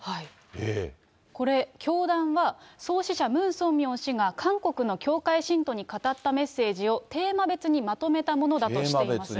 これ、教団は創始者、ムン・ソンミョン氏が韓国の教会信徒に語ったメッセージを、テーマ別にまとめたものだとしています。